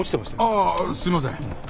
ああすいません。